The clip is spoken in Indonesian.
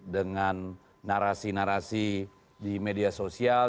dengan narasi narasi di media sosial